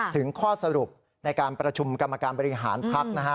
ข้อสรุปในการประชุมกรรมการบริหารพักนะฮะ